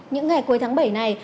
những ngày cuối tháng bảy này